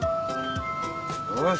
よし。